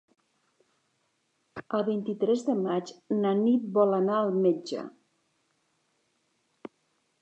El vint-i-tres de maig na Nit vol anar al metge.